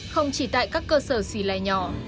không chỉ tại các cơ sở xì lè nhỏ